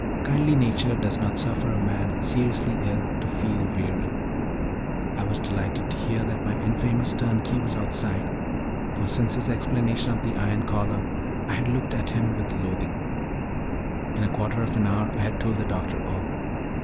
Kindly nature does not suffer a man seriously ill to feel weary. I was delighted to hear that my infamous turnkey was outside, for since his explanation of the iron collar I had looked an him with loathing. In a quarter of an hour I had told the doctor all.